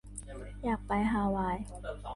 อยากไปฮาวาย